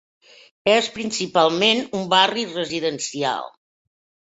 És principalment un barri residencial.